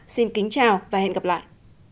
xin kính chào và hẹn gặp lại